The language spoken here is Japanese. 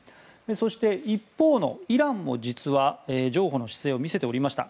そして、一方のイランも実は譲歩の姿勢を見せておりました。